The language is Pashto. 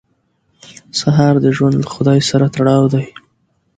سهار د ژوند له خدای سره تړاو دی.